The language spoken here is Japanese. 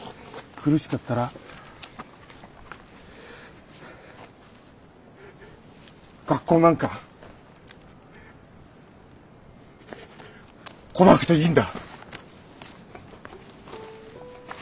苦しかったら苦しい時は学校なんか来なくていいんだ。